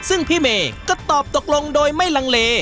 ซึ่งพี่เมย์ก็ตอบตกลงโดยไม่ลังเล